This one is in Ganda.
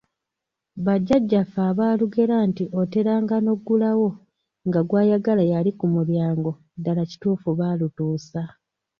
Bajjajjaffe abaalugera nti otera nga n'oggulawo nga gw'ayagala y'ali ku mulyango ddala kituufu baalutuusa.